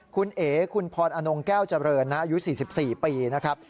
คุณเอ๋คุณพรอนงแก้วเจริญอายุ๔๔ปีนะครับ